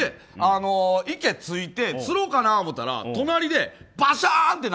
池について釣ろうかなと思ったら隣で、バシャーン！って。